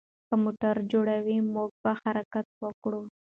که موټر جوړ وي، موږ به حرکت وکړو.